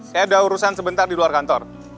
saya ada urusan sebentar di luar kantor